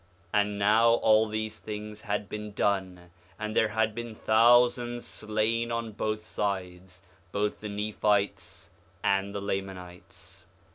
4:9 And now all these things had been done, and there had been thousands slain on both sides, both the Nephites and the Lamanites.